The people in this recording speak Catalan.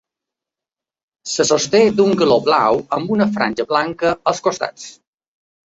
Se sosté d'un galó blau amb una franja blanca als costats.